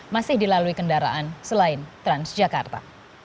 masih dilalui kendaraan selain transjakarta